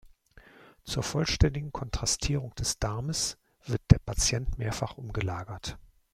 Zur vollständigen Kontrastierung des Darmes wird der Patient mehrfach umgelagert.